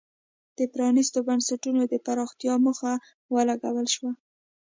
د پرانیستو بنسټونو د پراختیا موخه ولګول شوه.